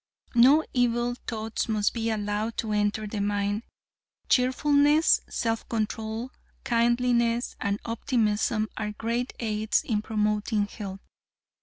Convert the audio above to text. No evil thoughts must be allowed to enter the mind. Cheerfulness, self control, kindliness and optimism are great aids in promoting health.